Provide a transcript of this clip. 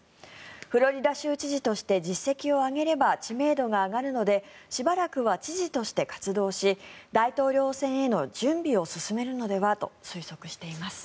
フロリダ州知事として実績を上げれば知名度が上がるのでしばらくは知事として活動し大統領選への準備を進めるのではと推測しています。